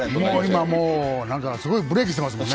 今もう、なんかすごいブレークしてますもんね。